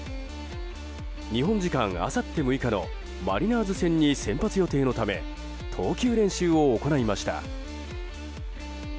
日本時間あさって６日のマリナーズ戦に先発予定のため投球練習を行いました。